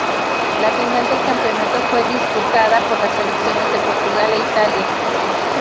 La final del campeonato fue disputada por las selecciones de Portugal e Italia.